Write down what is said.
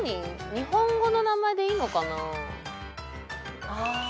日本語の名前でいいのかな？